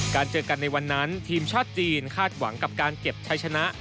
เจอกันในวันนั้นทีมชาติจีนคาดหวังกับการเก็บใช้ชนะ